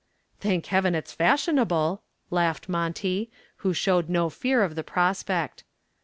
"Thank heaven it's fashionable," laughed Monty, who showed no fear of the prospect.